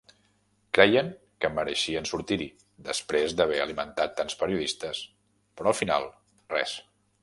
Creien que mereixien sortir-hi, després d'haver alimentat tants periodistes, però al final res.